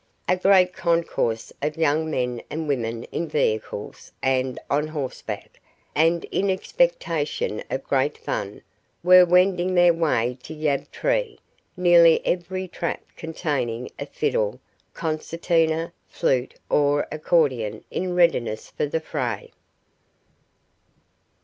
A great concourse of young men and women in vehicles and on horseback, and in expectation of great fun, were wending their way to Yabtree nearly every trap containing a fiddle, concertina, flute, or accordion in readiness for the fray.